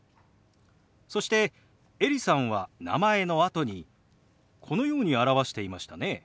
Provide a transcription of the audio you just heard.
そしてエリさんは名前のあとにこのように表していましたね。